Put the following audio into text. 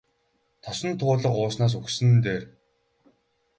Тосон туулга ууснаас үхсэн нь дээр.